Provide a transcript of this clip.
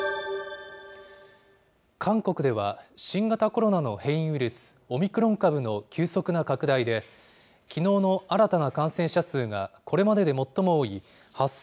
韓国では、新型コロナの変異ウイルス、オミクロン株の急速な拡大で、きのうの新たな感染者数が、これまでで最も多い８５００